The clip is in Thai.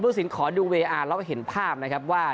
สินขอดูเวอาร์แล้วก็เห็นภาพนะครับว่า